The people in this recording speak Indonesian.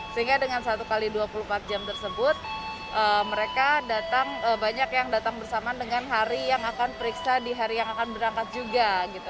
sehingga dengan satu x dua puluh empat jam tersebut mereka datang banyak yang datang bersama dengan hari yang akan periksa di hari yang akan berangkat juga